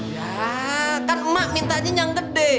ya kan emak mintanya yang gede